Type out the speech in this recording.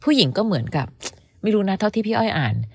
ผู้หญิงก็เหมือนกับเธอที่พี่อ้อยอ่าน